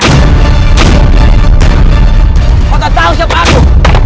kau tak tahu siapa aku